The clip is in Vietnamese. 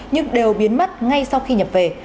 nhưng đều biến mất ngay sau khi nhập về